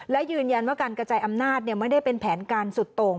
และยืนยันว่าการกระจายอำนาจไม่ได้เป็นแผนการสุดตรง